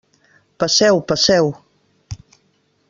Passeu, passeu.